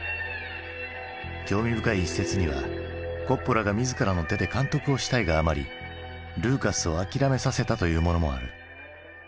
興味深い一説にはコッポラが自らの手で監督をしたいがあまりルーカスを諦めさせたというものもある。